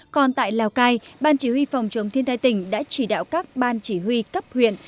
còn tại lào cai ban chỉ huy phòng chống thiên tai tỉnh đã chỉ đạo các ban chỉ huy cấp huyện